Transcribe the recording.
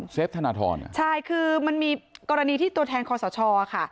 ธนทรใช่คือมันมีกรณีที่ตัวแทนคอสชค่ะ